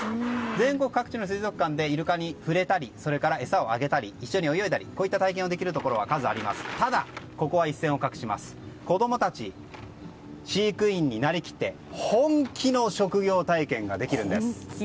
全国各地の水族館でイルカに触れたりそれから餌をあげたり一緒に泳いだりといった体験ができるところは数多くありますがここは一線を画していて子供たち、飼育員になりきって本気の職業体験ができるんです。